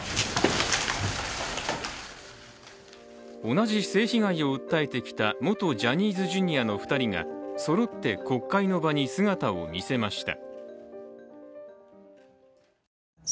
同じ性被害を訴えてきた元ジャニーズＪｒ．の２人がそろって国会の場に姿を見せました。